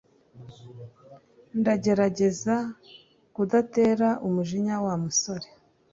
Ndagerageza kudatera umujinya Wa musore